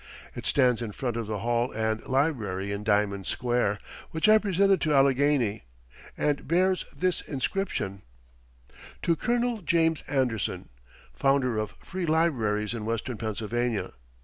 It stands in front of the Hall and Library in Diamond Square, which I presented to Allegheny, and bears this inscription: To Colonel James Anderson, Founder of Free Libraries in Western Pennsylvania.